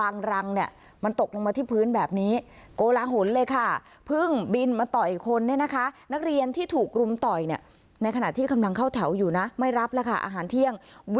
นักเรียนที่ถูกรุมต่อย